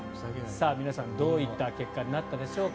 皆さん、どういった結果になったでしょうか。